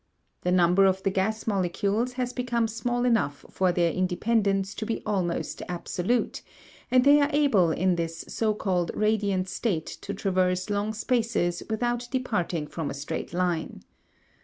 The number of the gas molecules has become small enough for their independence to be almost absolute, and they are able in this so called radiant state to traverse long spaces without departing from a straight line.